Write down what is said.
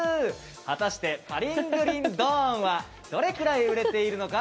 果たして「パリングリンドーン」はどれくらい売れているのか